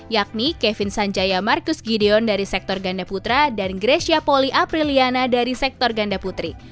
yakni kevin sanjaya marcus gideon dari sektor ganda putra dan grecia poli apriliana dari sektor ganda putri